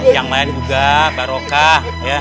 yang lain juga barokah